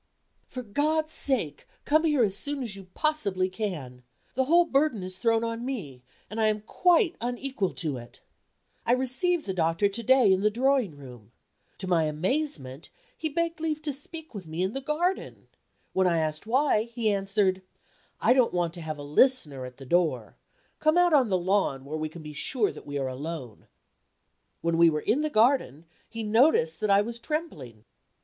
For God's sake come here as soon as you possibly can. The whole burden is thrown on me and I am quite unequal to it. I received the doctor to day in the drawing room. To my amazement, he begged leave to speak with me in the garden. When I asked why, he answered: "I don't want to have a listener at the door. Come out on the lawn, where we can be sure that we are alone." When we were in the garden, he noticed that I was trembling.